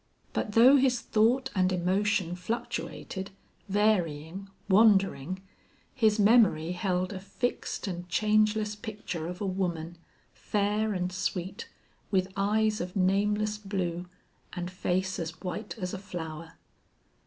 But though his thought and emotion fluctuated, varying, wandering, his memory held a fixed and changeless picture of a woman, fair and sweet, with eyes of nameless blue, and face as white as a flower.